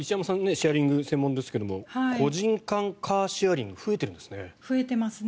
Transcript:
シェアリング、専門ですけれど個人間カーシェアリング増えているんですね。